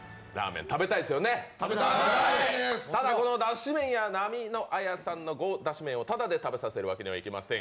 ただ、このだし麺屋ナミノアヤさんの熬だし麺をただで食べさせるわけにはいきません！